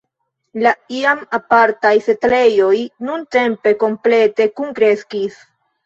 La iam apartaj setlejoj intertempe komplete kunkreskis.